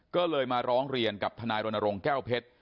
ก็เลยมาร้องเรียนกับทรแก้วเพชร